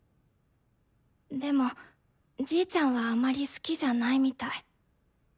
でもじいちゃんはあまり好きじゃないみたい。